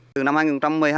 từ năm hai nghìn một mươi hai